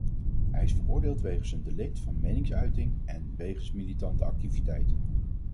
Hij is veroordeeld wegens een delict van meningsuiting en wegens militante activiteiten.